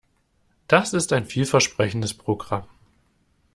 Das ist ein vielversprechendes Programm.